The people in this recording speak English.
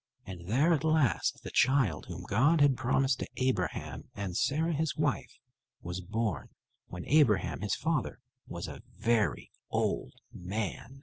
And there at last, the child whom God had promised to Abraham and Sarah, his wife, was born, when Abraham, his father, was a very old man.